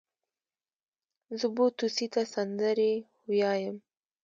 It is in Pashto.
زه بو توسې ته سندرې ويايم.